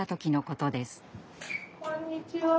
こんにちは。